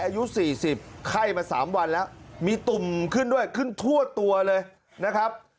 อายุ๔๐ไข้มา๓วันแล้วมีตุ่มขึ้นด้วยขึ้นทั่วตัวเลยนะครับ